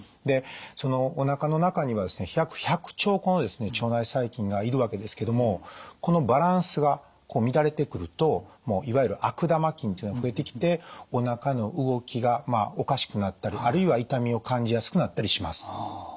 でそのおなかの中にはですね約１００兆個の腸内細菌がいるわけですけどもこのバランスが乱れてくるといわゆる悪玉菌というのが増えてきておなかの動きがおかしくなったりあるいは痛みを感じやすくなったりします。